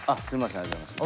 ありがとうございます。